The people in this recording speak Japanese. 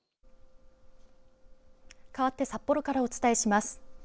かわって札幌からお伝えします。